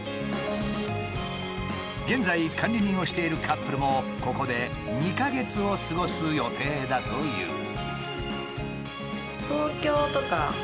現在管理人をしているカップルもここで２か月を過ごす予定だという。